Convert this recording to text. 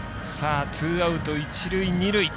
ツーアウト、一塁二塁。